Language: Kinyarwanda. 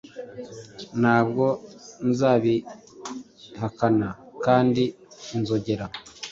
Ntabwo nzabihakana, kandi inzongera